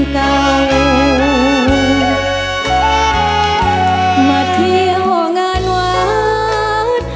เก่ามาเที่ยวงานวัด